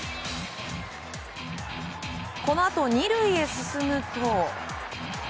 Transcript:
このあと、２塁へ進むと。